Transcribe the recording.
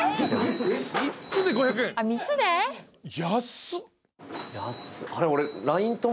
安っ。